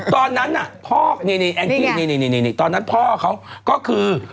ตอนนั้นน่ะพ่อนี่แองจี้นี่ตอนนั้นพ่อเขาก็คือ